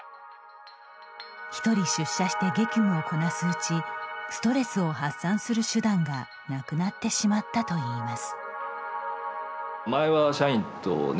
１人出社して激務をこなすうちストレスを発散する手段がなくなってしまったといいます。